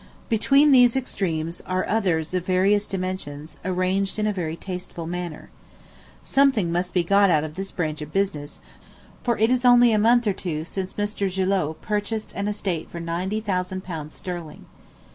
Between these extremes are others of various dimensions, arranged in a very tasteful manner. Something must be got out of this branch of business, for it is only a month or two since Mr. Gillott purchased an estate for ninety thousand pounds sterling.